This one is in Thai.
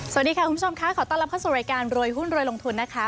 สวัสดีค่ะคุณผู้ชมค่ะขอต้อนรับเข้าสู่รายการรวยหุ้นรวยลงทุนนะคะ